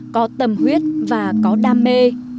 có tâm huyết và có đam mê